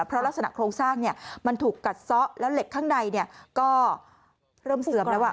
เพราะลักษณะโครงสร้างมันถูกกัดซะแล้วเหล็กข้างในก็เริ่มเสื่อมแล้ว